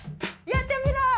やってみろ！